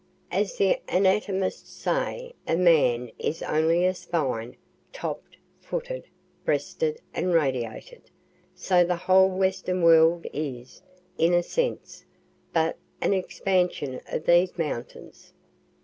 As the anatomists say a man is only a spine, topp'd, footed, breasted and radiated, so the whole Western world is, in a sense, but an expansion of these mountains.